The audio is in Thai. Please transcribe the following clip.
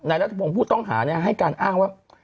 ในรัฐพรรมผู้ต้องหาเนี่ยให้การอ้าวว่า